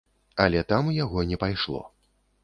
Але там у яго не пайшло.